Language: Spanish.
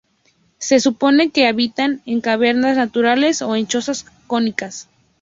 Se supone que habitaban en cavernas naturales o en chozas cónicas.